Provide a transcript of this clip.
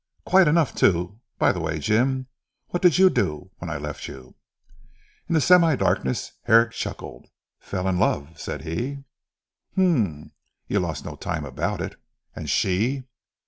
"Quite enough too. By the way Jim, what did you do, when I left you?" In the semi darkness Herrick chuckled. "Fell in love!" said he. "H'm! You lost no time about it. And she?"